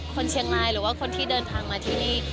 คนเชียงรายหรือว่าคนที่เดินทางมาที่นี่